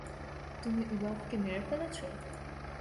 তুমি উলফকে মেরে ফেলেছো?